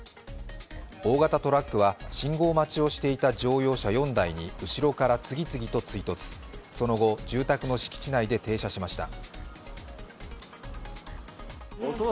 大型トラックは、信号待ちをしていた乗用車４台に後ろから次々と追突、その後、住宅の敷地内で停車しました。